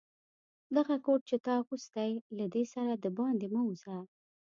دغه کوټ چي تا اغوستی، له دې سره دباندي مه وزه.